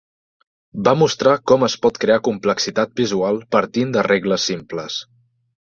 Va mostrar com es pot crear complexitat visual partint de regles simples.